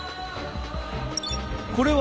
これは